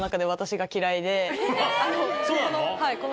そうなの？